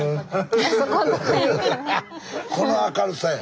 この明るさや。